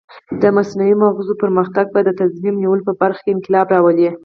د مصنوعي مغزو پرمختګ به د تصمیم نیولو په برخه کې انقلاب راولي.